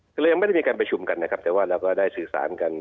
คือเรายังไม่ได้มีการประชุมกันนะครับแต่ว่าเราก็ได้สื่อสารกัน